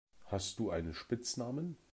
Hast du einen Spitznamen?